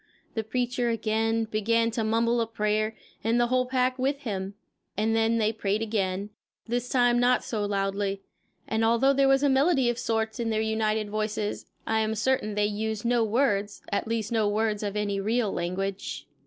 The preacher again began to mumble a prayer, and the whole pack with him; and then they prayed again, this time not so loudly. And although there was melody of a sort in their united voices, I am certain they used no words, at least no words of any real language.